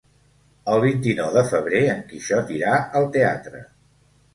El vint-i-nou de febrer en Quixot irà al teatre.